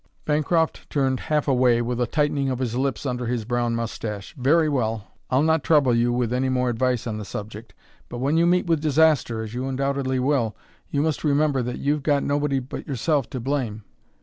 Bancroft turned half away, with a tightening of his lips under his brown moustache. "Very well. I'll not trouble you with any more advice on the subject. But when you meet with disaster, as you undoubtedly will, you must remember that you've got nobody but yourself to blame.